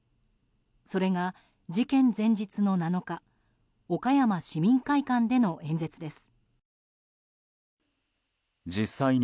それが事件前日の７日岡山市民会館での演説です。